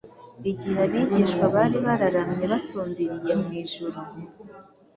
Igihe abigishwa bari bararamye batumbiriye mu ijuru